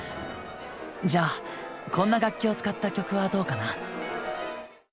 じゃこんな楽器を使った曲はどうかな？